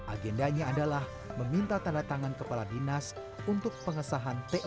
agendanya adalah meminta tanda tangan kepala dinas untuk pengesahan